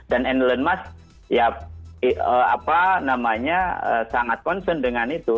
dan elon musk ya apa namanya sangat concern dengan itu